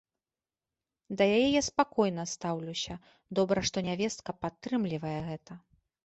Да яе я спакойна стаўлюся, добра, што нявестка падтрымлівае гэта.